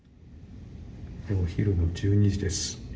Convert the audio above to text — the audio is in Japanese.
お昼の１２時です。